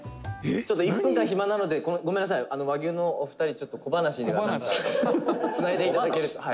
「ちょっと、１分間、暇なのでごめんなさい、和牛のお二人ちょっと、小話かなんかでつないで頂けると」